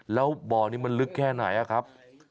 แล้วบ่อนี้มันลึกแค่ไหนอะครับ